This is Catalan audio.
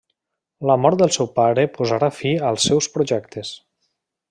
La mort del seu pare posarà fi als seus projectes.